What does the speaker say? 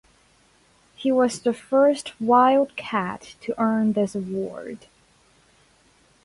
He was the first Wildcat to earn this award.